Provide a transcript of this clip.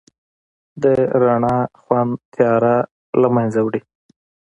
د رڼا خوند تیاره لمنځه وړي.